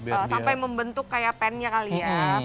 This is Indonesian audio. sampai membentuk kayak pennya kali ya